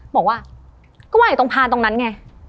บอกว่าก็ว่าอยู่ตรงพานตรงนั้นไง